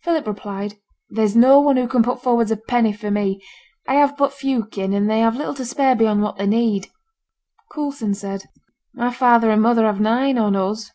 Philip replied, 'There's no one who can put forwards a penny for me: I have but few kin, and they have little to spare beyond what they need.' Coulson said 'My father and mother have nine on us.'